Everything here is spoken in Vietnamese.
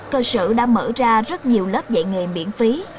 cơ sở đã mở ra rất nhiều lớp dạy nghề miễn phí